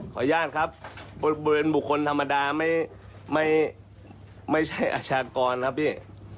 ขออนุญาตครับบริเวณบุคคลธรรมดาไม่ใช่อาชากรครับพี่